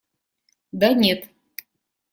Да нет!